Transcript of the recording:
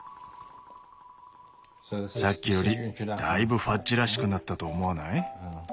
さっきよりだいぶファッジらしくなったと思わない？